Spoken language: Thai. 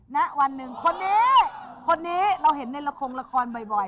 ณวันหนึ่งคนนี้คนนี้เราเห็นในละครละครบ่อย